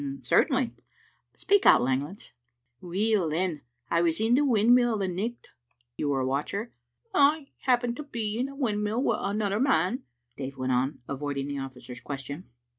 "Certainly. Speak out, Langlands." "Weel, then, I was in the windmill the nicht." "You were a watcher?" " I happened to be in the windmill wi' another man," Dave went on, avoiding the officer's question.